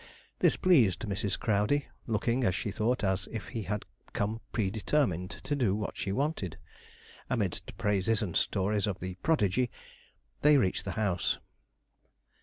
This pleased Mrs. Crowdey looking, as she thought, as if he had come predetermined to do what she wanted. Amidst praises and stories of the prodigy, they reached the house.